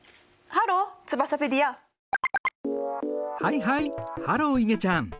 はいはいハローいげちゃん。